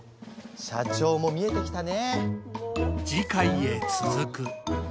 社長も見えてきたね。